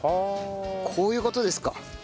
こういう事ですか。